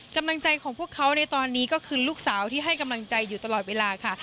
กำลังใจของพวกเขาในตอนนี้ก็คือลูกสาวที่ให้กำลังใจอยู่ตลอดเวลาค่ะ